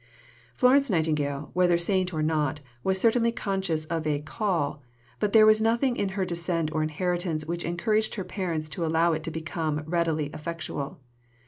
Florence Nightingale, whether saint or not, was certainly conscious of a "call"; but there was nothing in her descent or inheritance which encouraged her parents to allow it to become readily effectual.